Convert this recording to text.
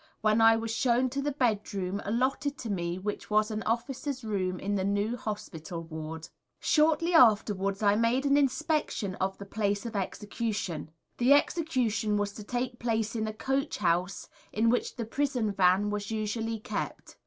when I was shown to the bedroom allotted to me which was an officer's room in the new Hospital Ward. Shortly afterwards I made an inspection of the place of Execution. The execution was to take place in a Coach house in which the Prison Van was usually kept.